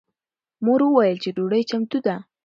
مور وویل چې ډوډۍ چمتو ده.